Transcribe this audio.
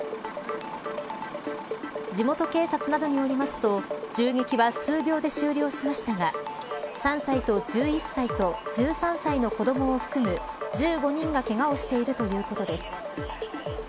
地元警察などによりますと銃撃は数秒で終了しましたが３歳と１１歳と１３歳の子どもを含む１５人がけがをしているということです。